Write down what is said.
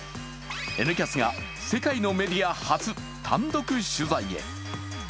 「Ｎキャス」が世界のメディア初、単独取材へ。